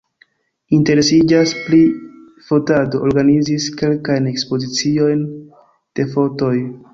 Interesiĝas pri fotado, organizis kelkajn ekspoziciojn de fotoj.